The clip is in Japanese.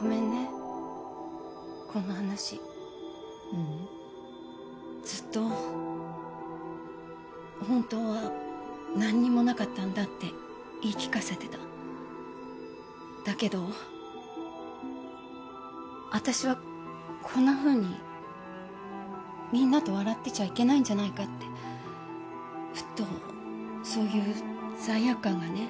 ごめんねこんな話ううんずっと本当は何にもなかったんだって言い聞かせてただけど私はこんなふうにみんなと笑ってちゃいけないんじゃないかってふっとそういう罪悪感がね